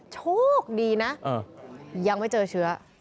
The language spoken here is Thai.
โชคดีนะยังไม่เจอเชื้อ